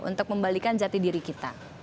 untuk membalikan jati diri kita